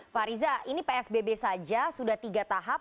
pak riza ini psbb saja sudah tiga tahap